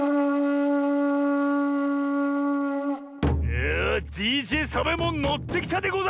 いやＤＪサボえもんのってきたでござる！